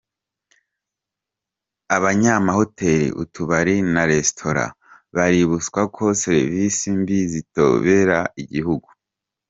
Abanyamahoteli, utubari na resitora baributswa ko serivisi mbi zitobera igihugu